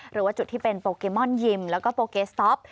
หรือว่าจุดที่เป็นโปเกมอนยิมแล้วก็โปเกสต๊อป